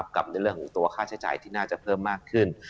กับในเรื่องของตัวค่าใช้จ่ายที่น่าจะเพิ่มมากขึ้น